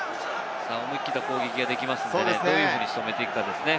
思い切った攻撃ができますのでね、どういうふうに仕留めていくのか。